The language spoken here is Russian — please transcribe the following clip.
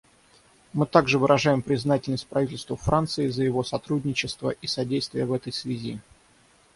Мы также выражаем признательность правительству Франции за его сотрудничество и содействие в этой связи.